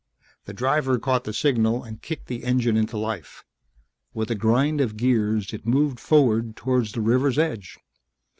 The driver caught the signal and kicked the engine into life; with a grind of gears it moved forward toward the river's edge.